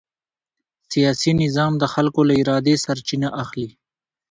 سیاسي نظام د خلکو له ارادې سرچینه اخلي